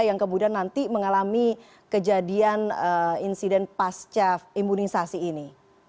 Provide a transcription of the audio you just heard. yang kemudian nanti mengalami kejadian insiden pasca imunisasi ini